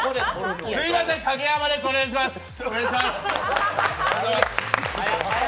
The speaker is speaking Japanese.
すいません、カゲヤマです、お願いします。